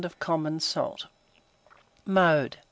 of common salt. Mode.